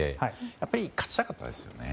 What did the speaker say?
やっぱり勝ちたかったですよね。